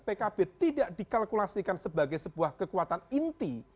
pkb tidak dikalkulasikan sebagai sebuah kekuatan inti